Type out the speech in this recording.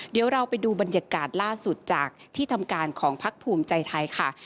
เดี๋ยวเราไปดูบรรยากาศล่าสุดจากที่ทำการของพักภูมิใจไทยค่ะ